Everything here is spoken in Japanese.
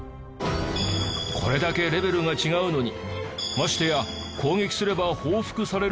これだけレベルが違うのにましてや攻撃すれば報復されるのに